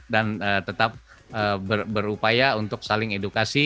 dan tetap berupaya untuk saling edukasi